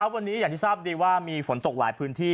วันนี้อย่างที่ทราบดีว่ามีฝนตกหลายพื้นที่